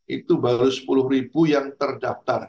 itu baru sepuluh ribu yang terdaftar